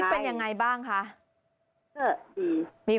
สามสิบบอโอเคไหม